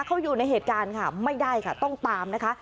เขาอยู่ในเหตุการณ์ค่ะไม่ได้ค่ะต้องตามนะคะ